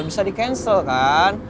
bisa di cancel kan